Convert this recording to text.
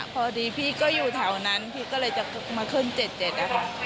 พอดีพี่ก็อยู่แถวนั้นพี่ก็เลยจะมาขึ้น๗๗นะคะ